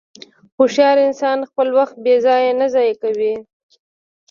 هوښیار انسان خپل وخت بېځایه نه ضایع کوي.